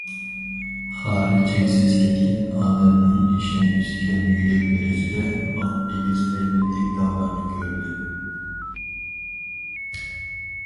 خارى چەكسىز كەتكەن، ئادەمنىڭ ئىشەنگۈسى كەلمىگۈدەك دەرىجىدە ئاق، ئېگىز، ھەيۋەتلىك تاغلارنى كۆردى.